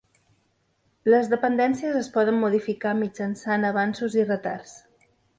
Les dependències es poden modificar mitjançant avanços i retards.